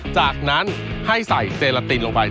จากนั้นให้ใส่เซลาตินลงไป